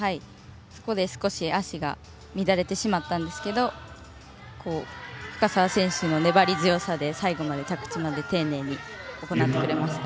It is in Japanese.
そこで少し足が乱れてしまったんですが深沢選手の粘り強さで最後の着地まで丁寧に行ってくれました。